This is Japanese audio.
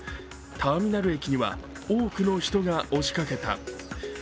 ターミナル駅には多くの人が押しかけた。